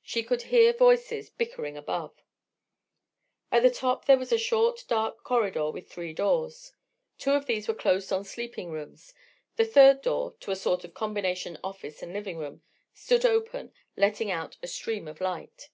She could hear voices bickering above. At the top there was a short, dark corridor, with three doors. Two of these were closed on sleeping rooms; the third door, to a sort of combination office and living room, stood open, letting out a stream of light.